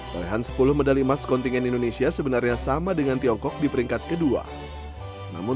torehan sepuluh medali emas kontingen indonesia sebenarnya sama dengan tiongkok di peringkat kedua namun